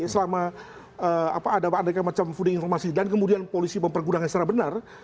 selama ada aneka macam funding informasi dan kemudian polisi mempergunakan secara benar